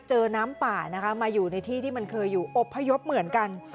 น้ำป่านะคะมาอยู่ในที่ที่มันเคยอยู่อบพยพเหมือนกัน